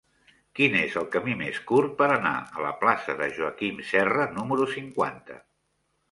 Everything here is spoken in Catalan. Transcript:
Quin és el camí més curt per anar a la plaça de Joaquim Serra número cinquanta?